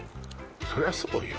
そりゃそうよ